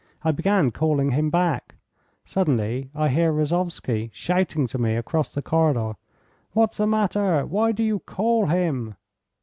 I began calling him back. Suddenly I hear Rozovsky shouting to me across the corridor: 'What's the matter? Why do you call him?